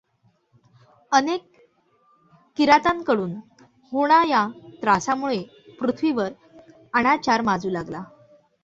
अनेक किरातांकडून होणा या त्रासामुळे पृथ्वीवर अनाचार माजू लागला.